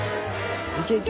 いけいけ！